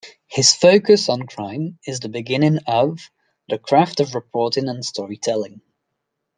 His focus on crime is the beginning of "the craft of reporting and storytelling".